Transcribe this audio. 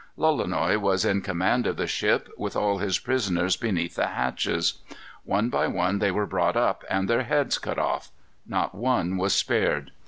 Lolonois was in command of the ship, with all his prisoners beneath the hatches. One by one they were brought up, and their heads cut off. Not one was spared.